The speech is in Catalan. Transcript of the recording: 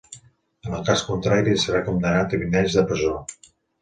En el cas contrari, serà condemnat a vint anys de presó.